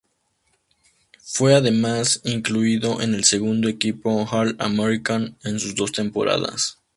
Fue además incluido en el segundo equipo All-American en sus dos temporadas.